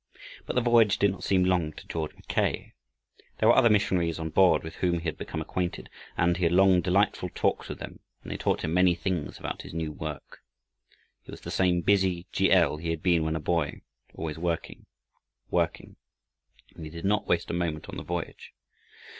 But the voyage did not seem long to George Mackay. There were other missionaries on board with whom he had become acquainted, and he had long delightful talks with them and they taught him many things about his new work. He was the same busy G. L. he had been when a boy; always working, working, and he did not waste a moment on the voyage.